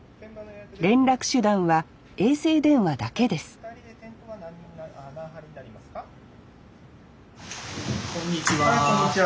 連絡手段は衛星電話だけですこんにちは。